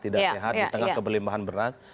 tidak sehat di tengah keberimbahan beras